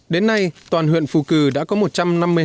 đến nay toàn huyện phù cử đã có một trăm linh nông nghiệp